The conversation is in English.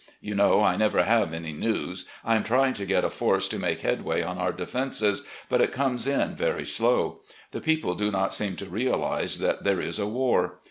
You know I never have any news. I am trying to get a force to make headway on our defenses, but it comes in very slow. The people do not seem to realise that there is a war.